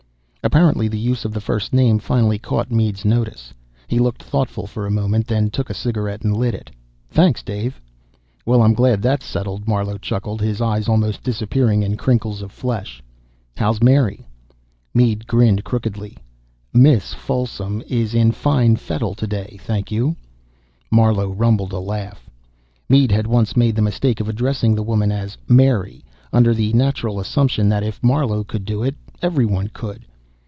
Apparently, the use of the first name finally caught Mead's notice. He looked thoughtful for a moment, then took a cigarette and lit it. "Thanks Dave." "Well, I'm glad that's settled," Marlowe chuckled, his eyes almost disappearing in crinkles of flesh. "How's Mary?" Mead grinned crookedly. "Miss Folsom is in fine fettle today, thank you." Marlowe rumbled a laugh. Mead had once made the mistake of addressing the woman as "Mary," under the natural assumption that if Marlowe could do it, everyone could.